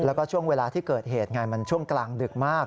แล้วก็ช่วงเวลาที่เกิดเหตุไงมันช่วงกลางดึกมาก